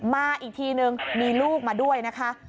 มาอีกทีนึงมีลูกมาด้วยนะคะ